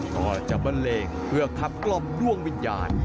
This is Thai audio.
ก็จะบันเลงเพื่อขับกล่อมดวงวิญญาณ